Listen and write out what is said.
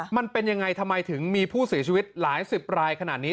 มันเป็นยังไงทำไมถึงมีผู้เสียชีวิตหลายสิบรายขนาดนี้